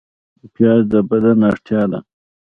پیاز د بدن اړتیا ده